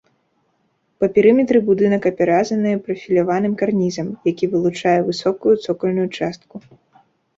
Па перыметры будынак апяразаны прафіляваным карнізам, які вылучае высокую цокальную частку.